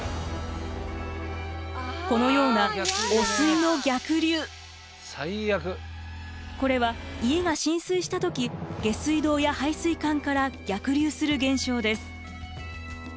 このようなこれは家が浸水した時下水道や排水管から逆流する現象です。